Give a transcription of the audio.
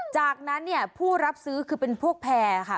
จากนั้นเนี่ยผู้รับซื้อคือเป็นพวกแพร่ค่ะ